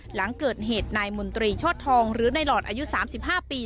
หลังเกิดเหตุนายมนตรีชอดทองหรือในหลอดอายุ๓๕ปี